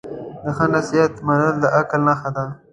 د ښه نصیحت منل د عقل نښه ده.